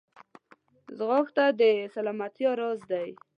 ځغاسته د سلامتیا راز دی